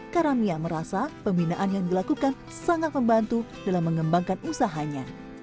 karamia merasa pembinaan yang dilakukan sangat membantu dalam mengembangkan usahanya